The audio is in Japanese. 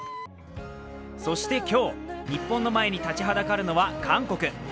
そして今日、日本の前に立ちはだかるのは韓国。